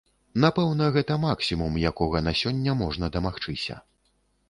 Напэўна, гэта максімум, якога на сёння можна дамагчыся.